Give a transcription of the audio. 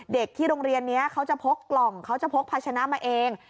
เด็กที่โรงเรียนนี้เขาจะพกกล่องเขาจะพกพาชนะมาเอง